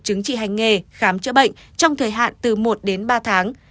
chứng trị hành nghề khám chữa bệnh trong thời hạn từ một đến ba tháng